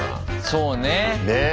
そうねえ。